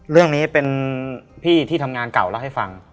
เรื่องนี้เป็นพี่ที่ทำงานเก่าเล่าให้ฟัง